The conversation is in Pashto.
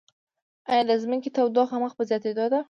ایا د ځمکې تودوخه مخ په زیاتیدو ده؟